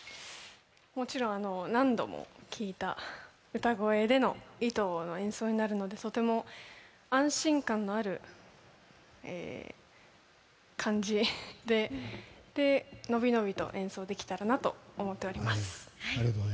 もちろん何度も聴いた歌声での「糸」の演奏になるのでとても安心感のある感じで伸び伸びと演奏できたらなと思っています。